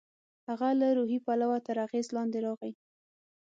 هغه له روحي پلوه تر اغېز لاندې راغی.